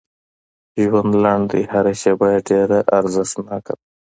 ژوند لنډ دی هر شیبه یې ډېره ارزښتناکه ده